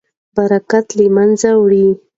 برکت له منځه وړي.